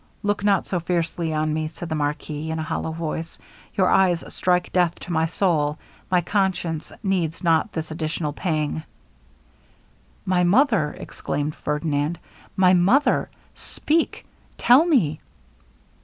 'Look not so fiercely on me,' said the marquis, in a hollow voice; 'your eyes strike death to my soul; my conscience needs not this additional pang.' 'My mother!' exclaimed Ferdinand 'my mother! Speak, tell me.'